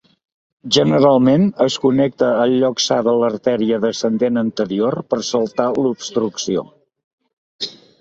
Generalment es connecta al lloc sa de l'artèria descendent anterior per saltar l'obstrucció.